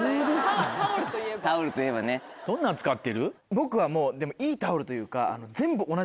僕はもうでもいいタオルというか。